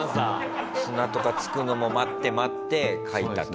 砂とか付くのも待って待って描いたと。